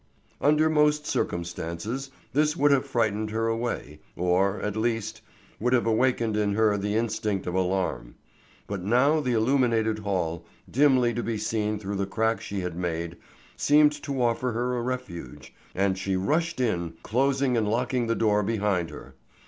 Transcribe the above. Under most circumstances this would have frightened her away, or, at least, would have awakened in her the instinct of alarm; but now the illuminated hall, dimly to be seen through the crack she had made, seemed to offer her a refuge, and she rushed in, closing and locking the door behind her.